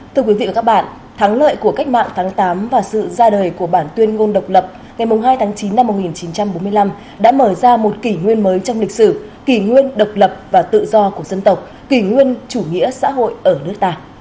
thưa quý vị và các bạn thắng lợi của cách mạng tháng tám và sự ra đời của bản tuyên ngôn độc lập ngày hai tháng chín năm một nghìn chín trăm bốn mươi năm đã mở ra một kỷ nguyên mới trong lịch sử kỷ nguyên độc lập và tự do của dân tộc kỷ nguyên chủ nghĩa xã hội ở nước ta